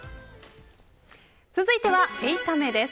続いては８タメです。